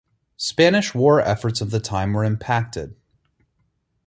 Spanish war efforts of the time were impacted.